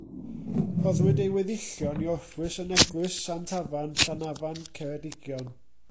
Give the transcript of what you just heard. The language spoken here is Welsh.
Rhoddwyd ei weddillion i orffwys yn Eglwys Sant Afan, Llanafan, Ceredigion.